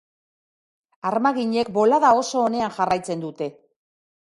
Armaginek bolada oso onean jarraitzen dute.